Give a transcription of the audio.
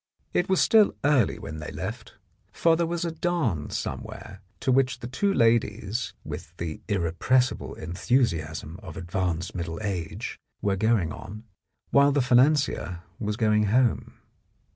It was still early when they left, for there was a dance somewhere to which the two ladies with the irrepres sible enthusiasm of advanced middle age were going on, while the financier was going home.